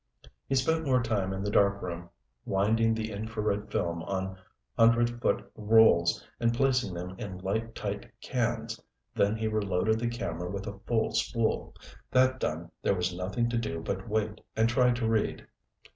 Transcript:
He spent more time in the darkroom winding the infrared film on hundred foot rolls and placing them in light tight cans, then he reloaded the camera with a full spool. That done, there was nothing to do but wait and try to read.